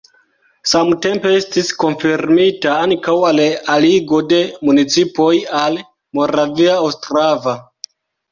Samtempe estis konfirmita ankaŭ la aligo de municipoj al Moravia Ostrava.